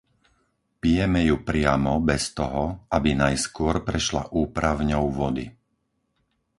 Pijeme ju priamo bez toho, aby najskôr prešla úpravňou vody.